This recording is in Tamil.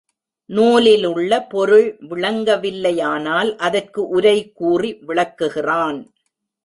நூலிலுள்ள பொருள் விளங்க வில்லையானால் அதற்கு உரை கூறி விளக்குகிறான்.